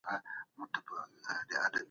دوراني پانګي په مسلسل ډول حرکت کاوه.